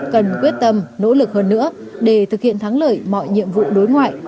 cần quyết tâm nỗ lực hơn nữa để thực hiện thắng lợi mọi nhiệm vụ đối ngoại